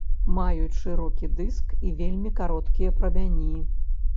Маюць шырокі дыск і вельмі кароткія прамяні.